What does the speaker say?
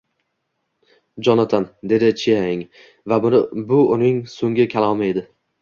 — Jonatan, — dedi Chiang, va bu uning so‘nggi kalomi edi